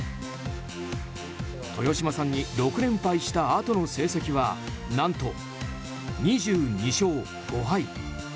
豊島さんに６連敗したあとの成績は何と２２勝５敗。